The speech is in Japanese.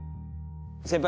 先輩